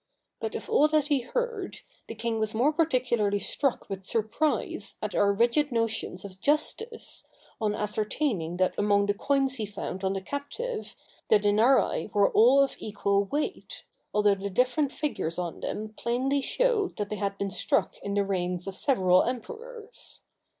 But of all that he heard, the king was more particularly struck with surprise at our rigid notions of justice, on ascertaining that among the coins found on the captive, the denarii were all of equal weight, although the different figures on them plainly showed that they had been struck in the reigns of several emperors.